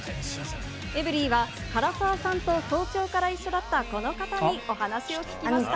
エブリィは、唐沢さんと早朝から一緒だったこの方にお話を聞きました。